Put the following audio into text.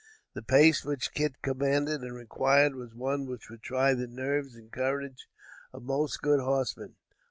The pace which Kit commanded and required was one which would try the nerves and courage of most good horsemen.